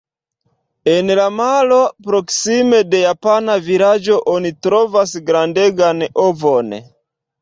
En la maro, proksime de japana vilaĝo oni trovas grandegan ovon.